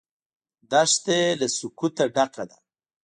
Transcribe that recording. دښته له سکوته ډکه ده.